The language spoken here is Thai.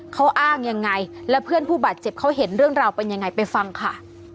เขาอ้างยังไงและเพื่อนผู้บาดเจ็บเขาเห็นเรื่องราวเป็นยังไงไปฟังค่ะ